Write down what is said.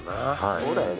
そうだよね。